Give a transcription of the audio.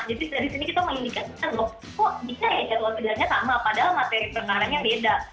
jadi dari sini kita mengindikasikan loh kok bisa ya jadwal pidangnya sama padahal materi penjaranya beda